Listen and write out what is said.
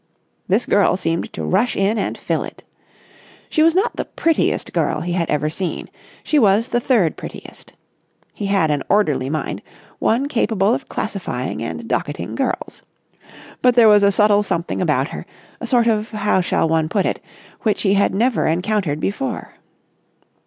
This girl seemed to rush in and fill it. She was not the prettiest girl he had ever seen. She was the third prettiest. He had an orderly mind, one capable of classifying and docketing girls. But there was a subtle something about her, a sort of how shall one put it, which he had never encountered before.